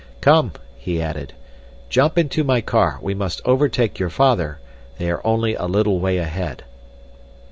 "Come," he added, "jump into my car, we must overtake your father, they are only a little way ahead."